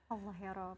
allah ya rabb